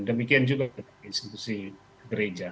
demikian juga institusi gereja